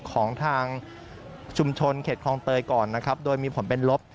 ของทางชุมชนเขตคลองเตยก่อนนะครับโดยมีผลเป็นลบ